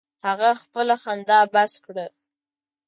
هغه خپله خندا بس کړه.